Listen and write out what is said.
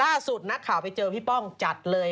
ล่าสุดนักข่าวไปเจอพี่ป้องจัดเลย